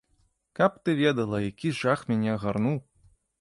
Каб ты ведала, які жах мяне агарнуў!